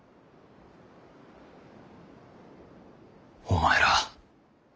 お前ら。